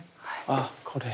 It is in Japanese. ああこれ。